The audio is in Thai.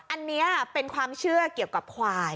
อันนี้เป็นความเชื่อเกี่ยวกับควาย